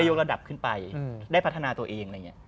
ได้โยกระดับขึ้นไปได้พัฒนาตัวเอง